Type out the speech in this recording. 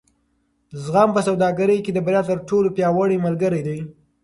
زغم په سوداګرۍ کې د بریا تر ټولو پیاوړی ملګری دی.